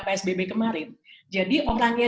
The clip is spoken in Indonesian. psbb kemarin jadi orangnya